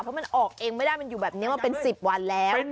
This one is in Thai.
เพราะมันออกเองไม่ได้มันอยู่แบบนี้มาเป็น๑๐วันแล้ว